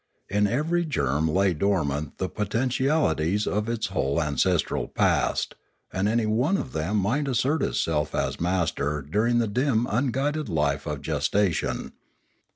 In every germ lay dormant the potentialities of its whole ancestral past; and any one of them might assert itself as master during the dim unguided life of gestation.